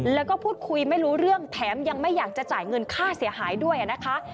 แล้วก็พูดคุยไม่รู้เรื่องแถมยังไม่อยากจะจ่ายเงินค่าเสียหายด้วยนะคะ